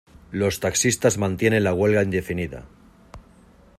Los taxistas mantienen la huelga indefinida.